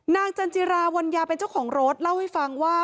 จันจิราวัญญาเป็นเจ้าของรถเล่าให้ฟังว่า